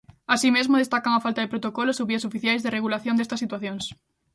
Así mesmo destacan a falta de protocolos ou vías oficiais de regulación destas situacións.